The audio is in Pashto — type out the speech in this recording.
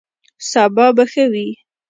سبا به ښه وي